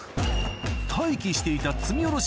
待機していた積み降ろし